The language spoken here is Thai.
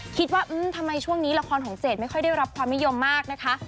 คิดว่าทำไมช่วงนี้ละครของเจดไม่ค่อยได้รับความนิยมมากนะคะ